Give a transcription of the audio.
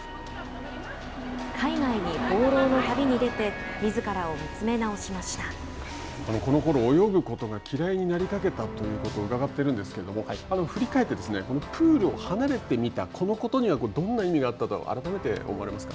海外へ放浪の旅に出てこのころ泳ぐことが嫌いになりかけたと伺っているんですけれども振り返ってプールを離れてみたこのことにはどんな意味があったと改めて思われますか。